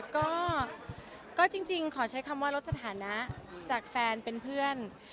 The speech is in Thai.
ก็จริงขอใช้คำว่าลดสถานะจากแฟนเป็นเพื่อน